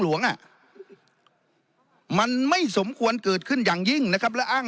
อ่ะมันไม่สมควรเกิดขึ้นอย่างยิ่งนะครับและอ้าง